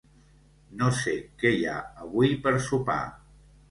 No sé què hi ha avui per sopar.